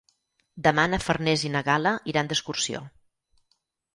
Demà na Farners i na Gal·la iran d'excursió.